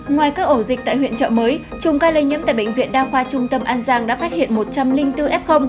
ngoài các ổ dịch tại huyện trợ mới chùm ca lây nhiễm tại bệnh viện đa khoa trung tâm an giang đã phát hiện một trăm linh bốn f